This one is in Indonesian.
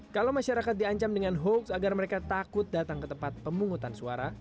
kalau masyarakat diancam dengan hoax agar mereka takut datang ke tempat pemungutan suara